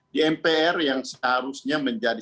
di mpr yang seharusnya menjadi